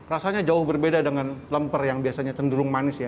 rasanya jauh berbeda dengan lemper yang biasanya cenderung manis ya